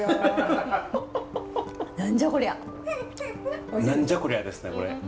何じゃこりゃですねこれ。